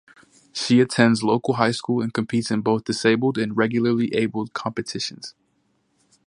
She attends local high school and competes both in disabled and regularly abled competitions.